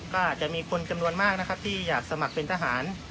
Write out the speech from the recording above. ก็จะมีคนจำนวนมากนะครับที่อยากสมัครเป็นทหาร